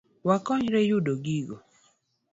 Wakonyre yudo gigo